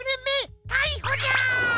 たいほじゃ！